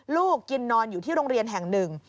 ลูกกินนอนอยู่ที่โรงเรียนแห่งหนึ่ง